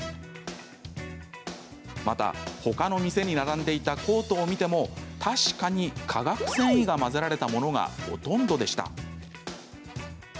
また、ほかの店に並んでいたコートを見ても確かに化学繊維が混ぜられたものがほとんどでした。